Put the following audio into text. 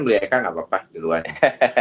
ya silahkan beli eka tidak apa apa